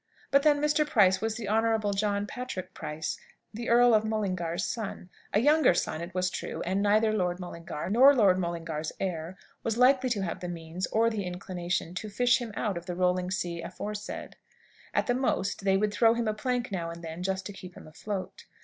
But then Mr. Price was the Honourable John Patrick Price, the Earl of Mullingar's son a younger son, it was true; and neither Lord Mullingar, nor Lord Mullingar's heir, was likely to have the means, or the inclination, to fish him out of the rolling sea aforesaid. At the most, they would throw him a plank now and then just to keep him afloat.